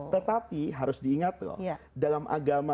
tetapi harus diingat loh